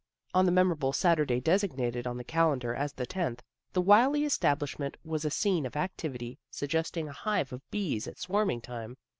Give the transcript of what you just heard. On the memorable Saturday designated on the calendar as the tenth, the Wylie estab lishment was a scene of activity suggesting a hive of bees at swarming tune.